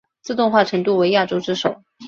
自动化程度为亚洲之首。